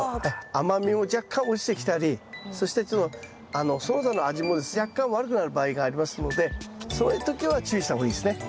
甘みも若干落ちてきたりそしてちょっとその他の味もですね若干悪くなる場合がありますのでその時は注意した方がいいですね。